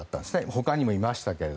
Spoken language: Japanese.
ほかにもいましたが。